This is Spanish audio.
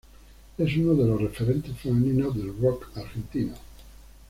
Es uno de los referentes femeninos del rock argentino.